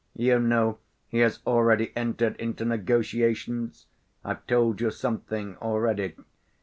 You know he has already entered into negotiations.... I've told you something already....